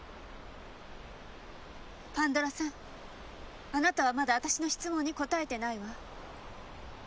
パンドラさんあなたはまだ私の質問に答えてないわ。